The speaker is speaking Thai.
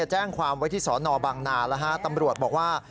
แจ้งความไว้ที่สอนอบังนาแล้วฮะตำรวจบอกว่า